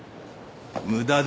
・無駄だ。